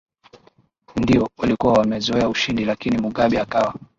ndio walikuwa wamezoa ushindi lakini mugabe akawa